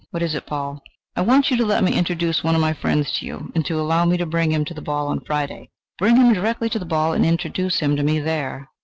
"What is it, Paul?" "I want you to let me introduce one of my friends to you, and to allow me to bring him to the ball on Friday." "Bring him direct to the ball and introduce him to me there.